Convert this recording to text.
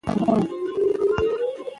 موږ به سبا د عربي نښو په اړه بحث وکړو.